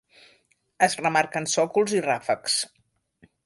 Es remarquen sòcols i ràfecs.